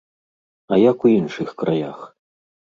А як у іншых краях?